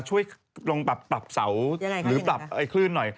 ช่วยลองปรับเสาหรือปรับคลื่นหน่อย